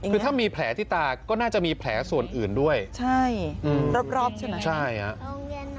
คือถ้ามีแผลที่ตาก็น่าจะมีแผลส่วนอื่นด้วยใช่รอบรอบใช่ไหมใช่ครับ